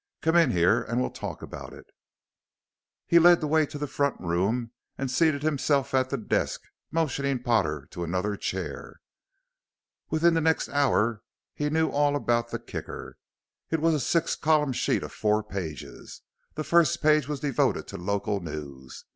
Come in here and we'll talk about it." He led the way to the front room and seated himself at the desk, motioning Potter to another chair. Within the next hour he knew all about the Kicker. It was a six column sheet of four pages. The first page was devoted to local news.